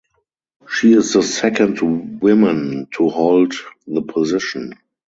She is the second woman to hold the position.